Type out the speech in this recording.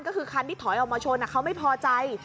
ก็คือคันที่ถอยออกมาชนเขาไม่พอใจ